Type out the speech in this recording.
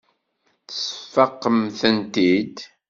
Tesfaqem-tent-id.